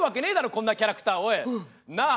こんなキャラクターおいなあ。